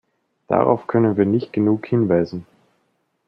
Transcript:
Darauf können wir nicht genug hinweisen.